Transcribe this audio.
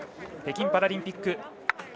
北京パラリンピック